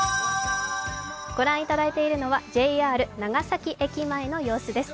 御覧頂いているのはＪＲ長崎駅の様子です。